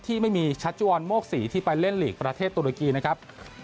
ที่ไม่มีชัชจุวรรณโมกศรีที่ไปเล่นหลีกประเทศตุรกีนะครับ